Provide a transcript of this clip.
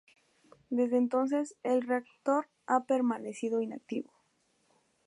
Desde entonces el reactor ha permanecido inactivo.